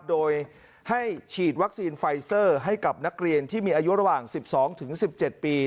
โดยให้ฉีดวัคซีนไฟเซอร์ให้กับนักเรียนที่มีอายุระหว่าง๑๒๑๗ปี